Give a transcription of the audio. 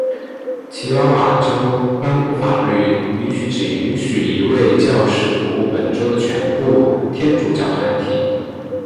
奇瓦瓦州颁布法律允许只允许一位教士服务本州的全部天主教团体。